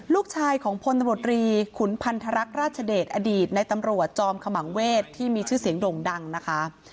ลูกชายของพลตำรวจรีขุนพันธรรคราชเดชอดีตในตำรวจจอมขมังเวศที่มีชื่อเสียงโด่งดังนะคะ